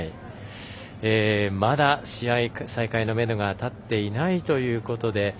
まだ試合再開のめどがたっていないということで。